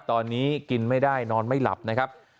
ตอนนี้กินไม่ได้นอนไม่หลับนะครับ